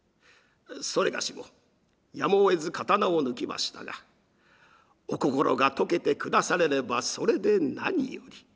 それがしもやむをえず刀を抜きましたがお心が解けてくだされればそれで何より。